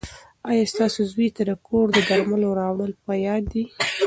ایا ستاسو زوی ته د کور د درملو راوړل په یاد دي؟